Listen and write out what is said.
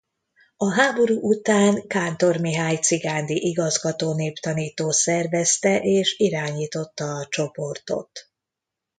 A háború után Kántor Mihály cigándi igazgató-néptanító szervezte és irányította a csoportot.